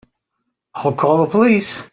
I'll call the police.